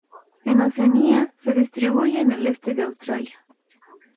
En Oceanía, se distribuye en el este de Australia.